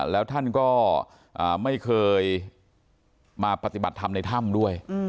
แล้วท่านก็ไม่เคยมาปฏิบัติธรรมในถ้ำด้วย